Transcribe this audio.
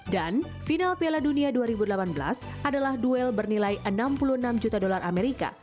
dan final piala dunia dua ribu delapan belas adalah duel bernilai enam puluh enam juta dolar amerika